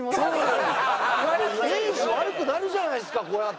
イメージ悪くなるじゃないですかこうやって。